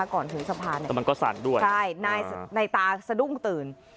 ก่อนถึงสะพานเนี่ยมันก็สั่นด้วยใช่นายตาสะดุ้งตื่น